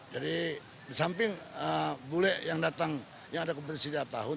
jadi di samping bule yang datang yang ada kompetisi setiap tahun